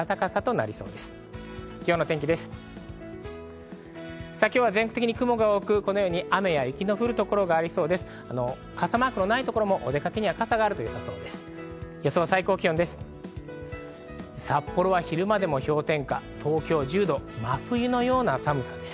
傘マークのないところも、お出かけには傘があるとよさそうです。